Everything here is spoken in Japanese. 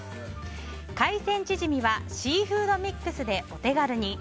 海鮮チヂミはシーフードミックスでお手軽に。